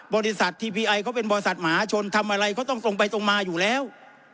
บริษัททีพีไอเขาเป็นบริษัทมหาชนทำอะไรเขาต้องตรงไปตรงมาอยู่แล้ว